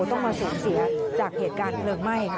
ต้องมาสูญเสียจากเหตุการณ์เพลิงไหม้ค่ะ